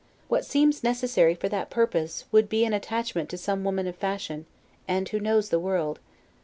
What seems necessary for that purpose, would, be an attachment to some woman of fashion, and who knows the world.